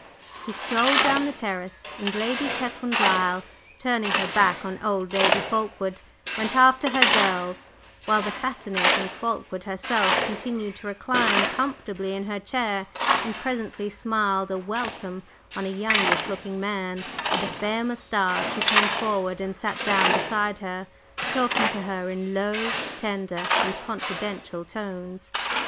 He strolled down the terrace, and Lady Chetwynd Lyle, turning her back on "old" Lady Fulkeward, went after her "girls," while the fascinating Fulkeward herself continued to recline comfortably in her chair, and presently smiled a welcome on a youngish looking man with a fair moustache who came forward and sat down beside her, talking to her in low, tender and confidential tones.